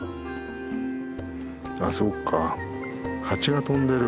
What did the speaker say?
あっそっか蜂が飛んでる。